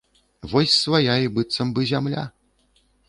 Вось свая і быццам бы зямля.